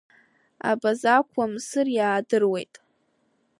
Абазақуа Мсыр иадыруеит.